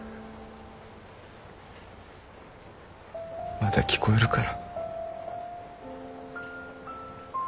まだ聞こえるから。